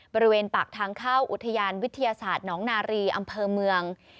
บริเวณปากทางเข้าอุทยานวิทยาศาสตร์หนองนารีอำเภอเมือง